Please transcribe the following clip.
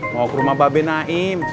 mau ke rumah babi naim